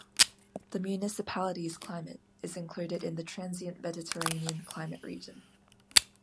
The municipality's climate is included in the transient-Mediterranean climate region.